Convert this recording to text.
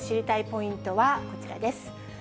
ポイントはこちらです。